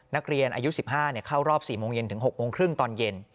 นักเรียนอายุ๑๕เข้ารอบ๔โมงเย็นถึง๖โมงครึ่งตอนเย็น